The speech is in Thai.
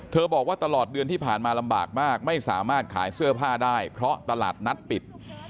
บอกว่าตลอดเดือนที่ผ่านมาลำบากมากไม่สามารถขายเสื้อผ้าได้เพราะตลาดนัดปิด